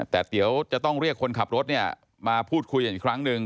แต่เดี๋ยวจะต้องเรียกคนขับรถเนี่ยมาพูดคุยกันอีกครั้งหนึ่ง